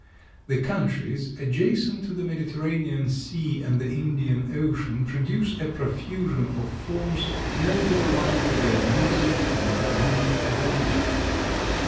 The countries adjacent to the Mediterranean Sea and the Indian Ocean produce a profusion of forms noted alike for their beauty and economic value.